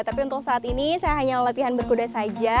tapi untuk saat ini saya hanya latihan berkuda saja